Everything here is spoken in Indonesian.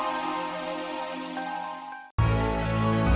kamu harus mencoba untuk mencoba